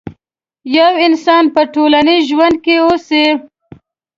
يو انسان په ټولنيز ژوند کې اوسي.